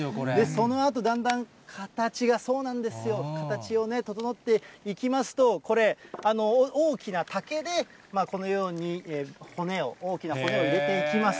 そのあとだんだん形が、そうなんですよ、形を整えていきますと、これ、大きな竹でこのように骨を、大きな骨を入れていきます。